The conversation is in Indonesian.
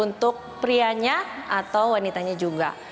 untuk prianya atau wanitanya juga